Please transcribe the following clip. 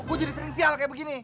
gua jadi sering sial kayak begini